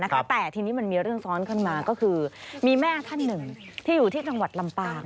แต่ทีนี้มันมีเรื่องซ้อนขึ้นมาก็คือมีแม่ท่านหนึ่งที่อยู่ที่จังหวัดลำปาง